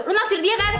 lu nasir dia kan